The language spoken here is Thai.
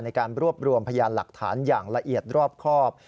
ในการรวบรวมพยานหลักฐานอย่างละเอียดรอบครอบ